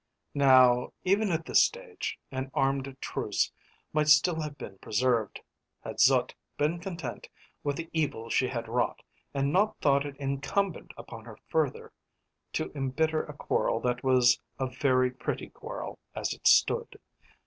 Now, even at this stage, an armed truce might still have been preserved, had Zut been content with the evil she had wrought, and not thought it incumbent upon her further to embitter a quarrel that was a very pretty quarrel as it stood.